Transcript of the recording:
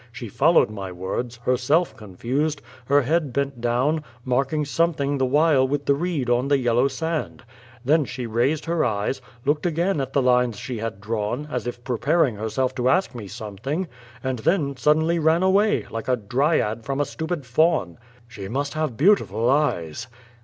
She followed my words, herself confused, her head bent down, marking something the while with the reed on the yellow sand. Then she raised her eyes, looked again at the lines she had drawn, as if pre paring herself to ask me something — and then suddenly ran away, like a Dryad from a stupid faun." '^She must have beautiful eyes."